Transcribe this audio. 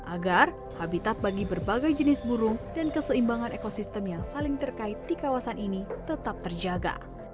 agar habitat bagi berbagai jenis burung dan keseimbangan ekosistem yang saling terkait di kawasan ini tetap terjaga